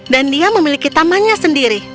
dan dia memiliki tamannya sendiri